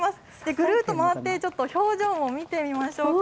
ぐるっと回って、ちょっと表情を見てみましょうか。